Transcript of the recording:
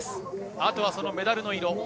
あとはメダルの色。